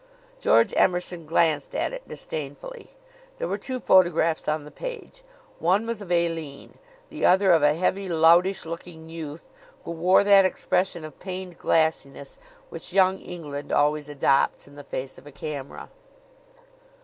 George Emerson glanced at it disdainfully. There were two photographs on the page. One was of Aline; the other of a heavy, loutish looking youth, who wore that expression of pained glassiness which Young England always adopts in the face of a camera.